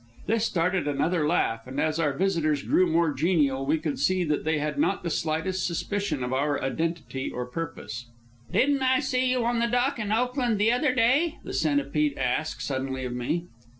This started another laugh, and as our visitors grew more genial we could see that they had not the slightest suspicion of our identity or purpose. "Didn't I see you on the dock in Oakland the other day?" the Centipede asked suddenly of me.